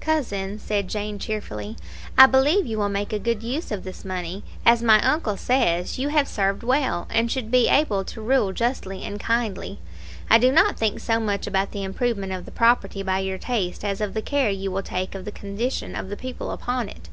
"Cousin," said Jane cheerfully, "I believe you will make a good use of this money. As my uncle says, you have served well, and should be able to rule justly and kindly. I do not think so much about the improvement of the property by your taste as of the care you will take of the condition of the people upon it.